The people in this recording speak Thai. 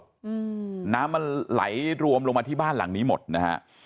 อืมน้ำมันไหลรวมลงมาที่บ้านหลังนี้หมดนะฮะ